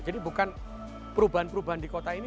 jadi bukan perubahan perubahan di kota ini